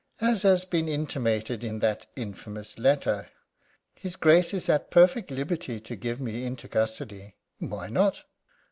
"As has been intimated in that infamous letter, his Grace is at perfect liberty to give me into custody why not?